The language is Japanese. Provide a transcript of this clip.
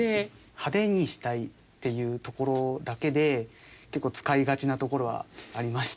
派手にしたいっていうところだけで結構使いがちなところはありまして。